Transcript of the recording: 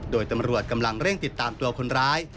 โดยตำรวจกำลังเร่งติดตามตัวคนร้าย